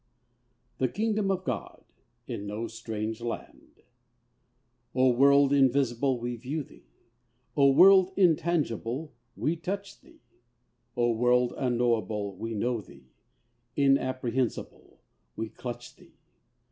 THE KINGDOM OF GOD "IN NO STRANGE LAND" O World Invisible, we view thee, O World intangible, we touch thee, O World unknowable, we know thee, Inapprehensible, we clutch thee!